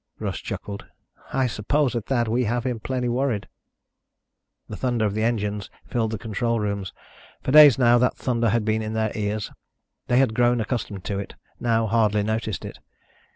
Russ chuckled. "I suppose, at that, we have him plenty worried." The thunder of the engines filled the control room. For days now that thunder had been in their ears. They had grown accustomed to it, now hardly noticed it.